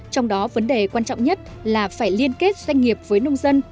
trong đó vấn đề quan trọng nhất là phải liên kết doanh nghiệp với nông dân